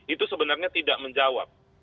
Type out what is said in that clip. itu sebenarnya tidak menjawab